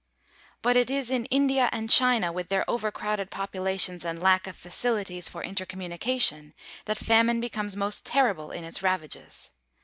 But it is in India and China, with their overcrowded populations and lack of facilities for inter communication, that famine becomes most terrible in its ravages.